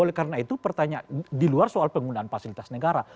oleh karena itu pertanyaan di luar soal penggunaan fasilitas negara